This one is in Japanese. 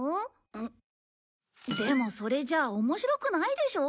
うっでもそれじゃあ面白くないでしょ？